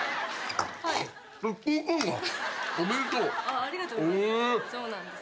ありがとうございます。